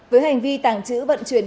với hành vi tàng trữ vận chuyển